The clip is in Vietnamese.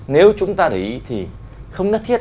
nếu chúng ta để ý thì không nhất thiết